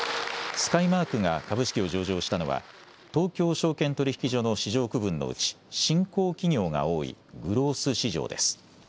スカイマークが株式を上場したのは東京証券取引所の市場区分のうち新興企業が多いグロース市場です。